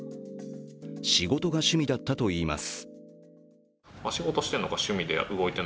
仕事が趣味だったといいます。